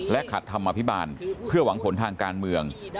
ขัดธรรมอภิบาลเพื่อหวังผลทางการเมือง